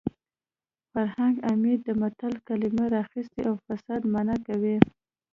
فرهنګ عمید د متل کلمه راخیستې او افسانه مانا کوي